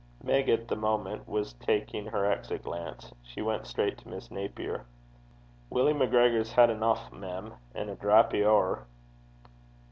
Meg, at the moment, was taking her exit glance. She went straight to Miss Napier. 'Willie MacGregor's had eneuch, mem, an' a drappy ower.'